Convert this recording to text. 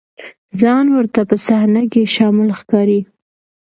ځان ورته په صحنه کې شامل ښکاري.